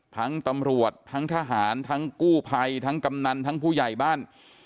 ทั้งตำรวจทั้งทหารทั้งกู้ภัยทั้งกำนันทั้งผู้ใหญ่บ้าน